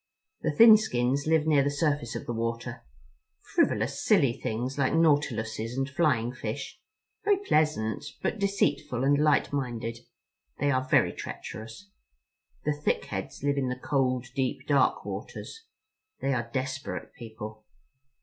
The Thin Skins live near the surface of the water, frivolous, silly things like nautiluses and flying fish, very pleasant, but deceitful and light minded. They are very treacherous. The Thick Heads live in the cold deep dark waters. They are desperate people."